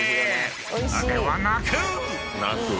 ［ではなく］